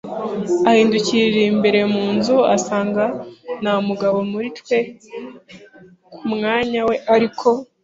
ahindukirira imbere mu nzu asanga nta mugabo muri twe ku mwanya we ariko